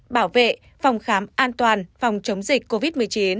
bảo vệ phòng khám an toàn phòng chống dịch covid một mươi chín